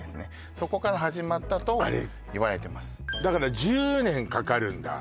そこから始まったと言われてますだから１０年かかるんだ